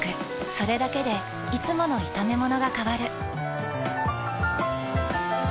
それだけでいつもの炒めものが変わる。